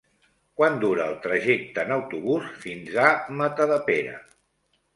Quant dura el trajecte en autobús fins a Matadepera?